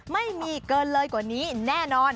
ไม่มีเกินเลยกว่านี้แน่นอน